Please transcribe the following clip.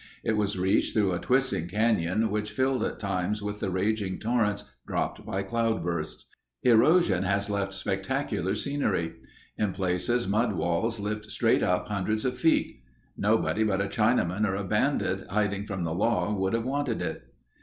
It was reached through a twisting canyon which filled at times with the raging torrents dropped by cloudbursts. Erosion has left spectacular scenery. In places mud walls lift straight up hundreds of feet. Nobody but a Chinaman or a bandit hiding from the law would have wanted it.